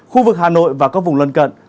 khu vực hà nội và các vùng lân cận